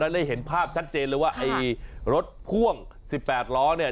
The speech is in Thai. ได้เห็นภาพชัดเจนเลยว่าไอ้รถพ่วง๑๘ล้อเนี่ย